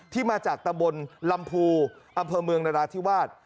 ที่มาจากตำบลลำพูอำเภอเมืองนราธิวาส